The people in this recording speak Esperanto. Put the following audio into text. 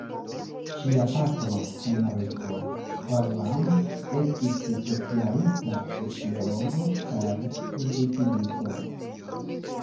Ŝia patro Henriko Holland estis socialista sociologo kaj publikigisto.